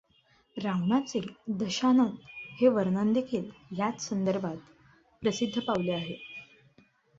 रावणाचे दशानन हे वर्णनदेखील ह्याच संदर्भात प्रसिद्ध पावले आहे.